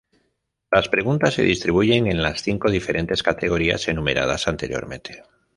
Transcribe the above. Las preguntas se distribuyen en las cinco diferentes categorías enumeradas anteriormente.